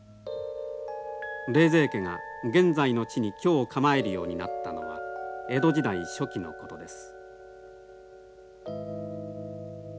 冷泉家が現在の地に居を構えるようになったのは江戸時代初期のことです。